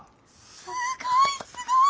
すごいすごい！